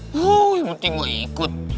huuu yang penting gue ikut